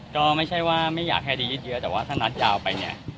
ก็ไม่ใช่ว่าไม่อยากให้ดียืดเยอะแต่ว่าถ้านัดยาวไปเนี่ย